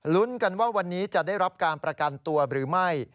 กันว่าวันนี้จะได้รับการประกันตัวหรือไม่